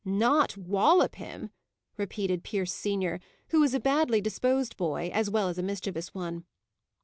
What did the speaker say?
"Not wallop him!" repeated Pierce senior, who was a badly disposed boy, as well as a mischievous one.